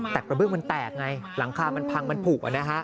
แต่ประเบิดมันแตกไงหลังคามันพังมันผูกอ่ะนะฮะ